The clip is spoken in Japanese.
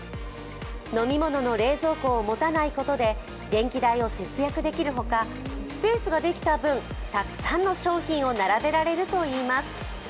飲み物の冷蔵庫を持たないことで電気代を節約できるほかスペースができた分、たくさんの商品を並べられるといいます。